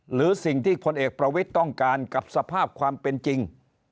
หรือสิ่งที่พลเอกประวิทย์ต้องการกับสภาพความเป็นจริง